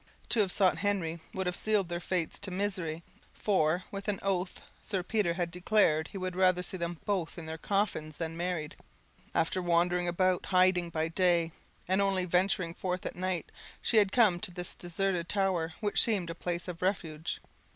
to have sought Henry would have sealed their fates to misery; for, with an oath, Sir Peter had declared he would rather see them both in their coffins than married. After wandering about, hiding by day, and only venturing forth at night, she had come to this deserted tower, which seemed a place of refuge.